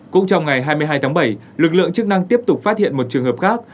cũng trong ngày hai mươi hai tháng bảy lực lượng chức năng tiếp tục phát hiện một trường hợp khác